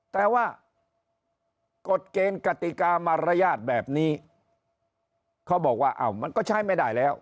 แต่ว่ากฎเกณฑ์กติกามารยาทแบบนี้เขาบอกว่าอ้าวมันก็ใช้ไม่ได้แล้ว